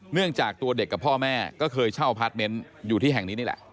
เนื่องจากตัวเด็กกับพ่อแม่ก็เคยเช่าพาร์ทเมนต์อยู่ที่แห่งนี้นี่แหละ